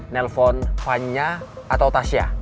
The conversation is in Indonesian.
nelfon vanya atau tasya